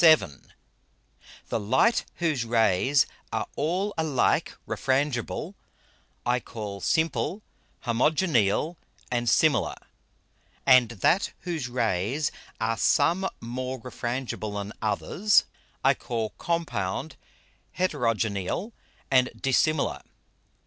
VII _The Light whose Rays are all alike Refrangible, I call Simple, Homogeneal and Similar; and that whose Rays are some more Refrangible than others, I call Compound, Heterogeneal and Dissimilar.